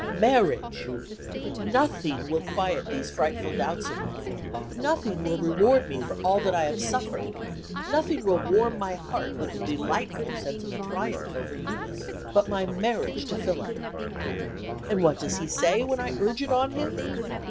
Marriage! Nothing will quiet these frightful doubts of mine, nothing will reward me for all that I have suffered, nothing will warm my heart with the delightful sense of triumph over Eunice, but my marriage to Philip. And what does he say, when I urge it on him?